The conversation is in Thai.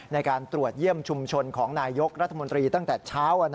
ในการตรวจเยี่ยมชุมชนของนายยกรัฐมนตรีตั้งแต่เช้า